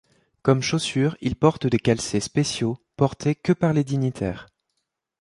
Comme chaussures il porte des calcei spéciaux, portés que par les dignitaires.